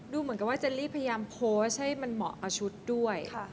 เหมือนกับว่าเจลลี่พยายามโพสต์ให้มันเหมาะกับชุดด้วย